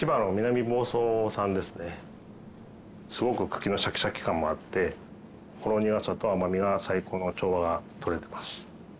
すごく茎のシャキシャキ感もあってほろ苦さと甘みが最高の調和がとれてます。